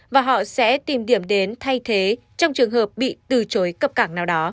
và họ sẽ tìm điểm đến thay thế trong trường hợp bị từ chối cập cảng nào đó